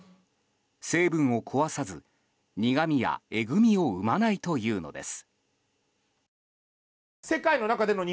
成分を壊さず、苦みやえぐみを生まないというのです。